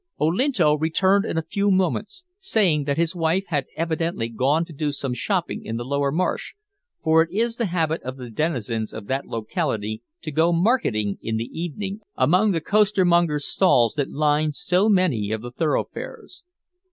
Olinto returned in a few moments, saying that his wife had evidently gone to do some shopping in the Lower Marsh, for it is the habit of the denizens of that locality to go "marketing" in the evening among the costermongers' stalls that line so many of the thoroughfares.